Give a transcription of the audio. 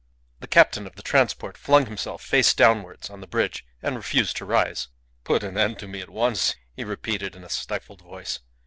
The captain of the transport flung himself face downwards on the bridge, and refused to rise. "Put an end to me at once," he repeated in a stifled voice.